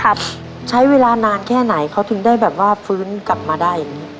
ครับใช้เวลานานแค่ไหนเขาถึงได้แบบว่าฟื้นกลับมาได้